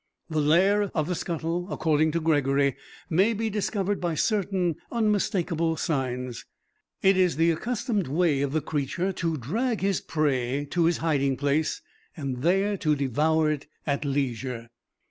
The lair of the scuttle, according to Gregory, may be discovered by certain unmistakable signs. It is the accustomed way of the creature to drag his prey to his hiding place, there to devour it at leisure.